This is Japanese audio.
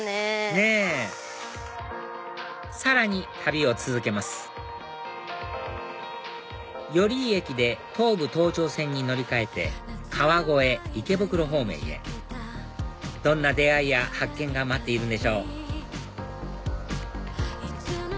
ねぇさらに旅を続けます寄居駅で東武東上線に乗り換えて川越池袋方面へどんな出会いや発見が待っているんでしょう